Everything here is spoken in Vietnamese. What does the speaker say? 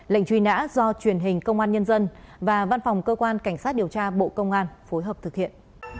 lệnh truy nã do truyền hình công an nhân dân và văn phòng cơ quan cảnh sát điều tra bộ công an phối hợp thực hiện